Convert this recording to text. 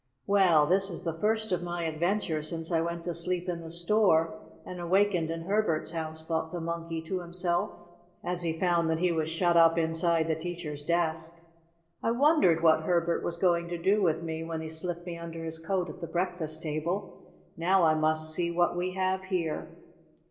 "Well, this is the first of my adventures since I went to sleep in the store and awakened in Herbert's house," thought the Monkey to himself, as he found that he was shut up inside the teacher's desk. "I wondered what Herbert was going to do with me when he slipped me under his coat at the breakfast table. Now I must see what we have here."